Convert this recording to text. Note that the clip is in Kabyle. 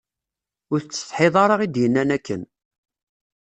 Ur tettsetḥiḍ ara i d-yennan akken.